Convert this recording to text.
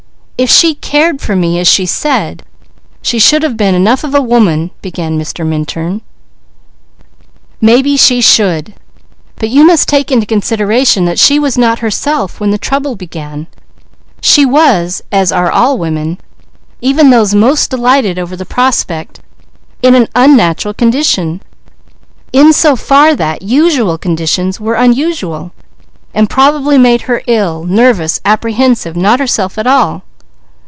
"If she cared for me as she said, she should have been enough of a woman " began Mr. Minturn. "Maybe she should, but you must take into consideration that she was not herself when the trouble began; she was, as are all women, even those most delighted over the prospect, in an unnatural condition, in so far that usual conditions were unusual, and probably made her ill, nervous, apprehensive, not herself at all."